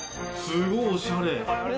すごいおしゃれ。